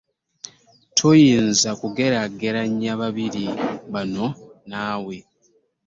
Toyinza kugeeraganya babiri bano naawe.